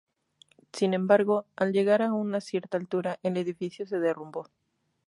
Sin embargo, al llegar a una cierta altura, el edificio se derrumbó.